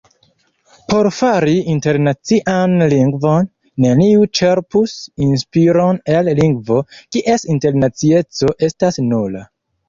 Por fari internacian lingvon, neniu ĉerpus inspiron el lingvo, kies internacieco estas nula.